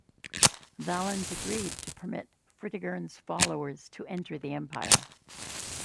Valens agreed to permit Fritigern's followers to enter the empire.